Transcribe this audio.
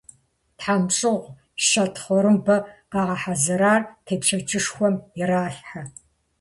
ТхьэмщӀыгъу, щэ тхъурымбэ къагъэхьэзырар тепщэчышхуэм иралъхьэ.